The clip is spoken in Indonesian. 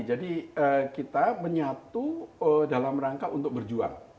jadi kita menyatu dalam rangka untuk berjuang